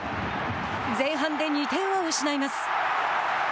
前半で２点を失います。